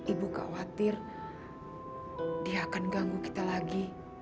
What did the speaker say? ibu khawatir dia akan ganggu kita lagi